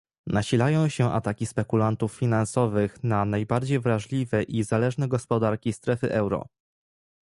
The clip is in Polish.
Nasilają się ataki spekulantów finansowych na najbardziej wrażliwe i zależne gospodarki strefy euro